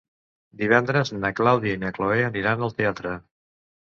Divendres na Clàudia i na Cloè aniran al teatre.